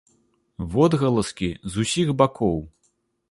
Водгаласкі з усіх бакоў.